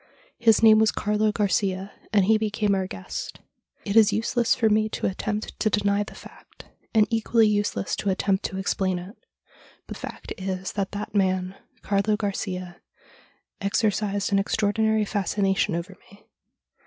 His name was Carlo Garcia, and he became our guest. It is useless for me to attempt to deny the fact, and equally useless to attempt to explain it, but fact it is that that man, Carlo Garcia, exercised an extra ordinary fascination over me.